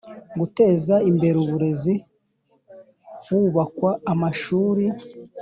Guteza imbere uburezi hubakwa amashuri